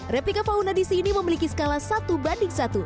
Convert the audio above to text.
replika fauna di sini memiliki skala satu banding satu